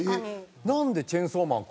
なんでチェンソーマン